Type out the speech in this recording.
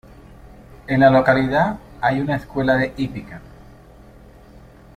En la localidad hay una escuela de hípica.